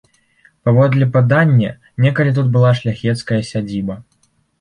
Паводле падання, некалі тут была шляхецкая сядзіба.